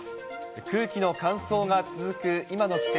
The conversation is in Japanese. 空気の乾燥が続く今の季節。